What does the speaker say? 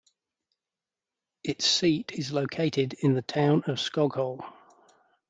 Its seat is located in the town of Skoghall.